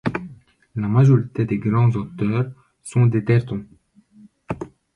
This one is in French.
La majorité des grands auteurs sont des tertöns.